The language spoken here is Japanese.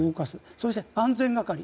そして安全係。